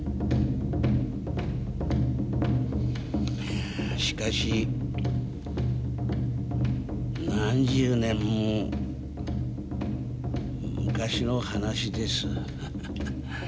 いやあしかし何十年も昔の話です。